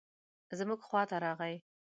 زموږ خواته راغی.